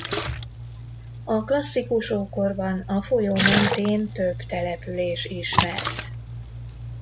A klasszikus ókorban a folyó mentén több település ismert.